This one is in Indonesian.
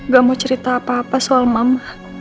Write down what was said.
gak mau cerita apa apa soal mama